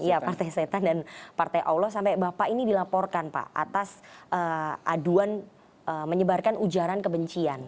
iya partai setan dan partai allah sampai bapak ini dilaporkan pak atas aduan menyebarkan ujaran kebencian